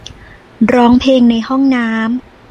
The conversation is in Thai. ร้องเพลงในห้องน้ำ